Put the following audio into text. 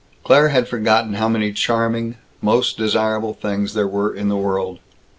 Claire had forgotten how many charming, most desirable things there were in the world.